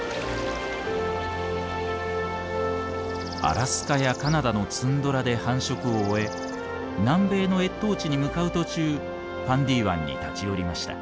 アラスカやカナダのツンドラで繁殖を終え南米の越冬地に向かう途中ファンディ湾に立ち寄りました。